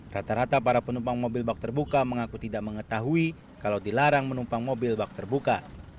rata rata para penumpang mobil bak terbuka mengaku tidak mengetahui kalau dilarang menumpang mobil bak terbuka